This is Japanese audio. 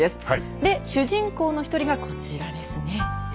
で主人公の一人がこちらですね。